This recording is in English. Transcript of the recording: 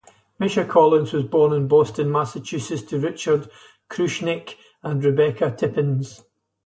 Misha Collins was born in Boston, Massachusetts, to Richard Krushnic and Rebecca Tippens.